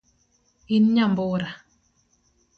In nyambura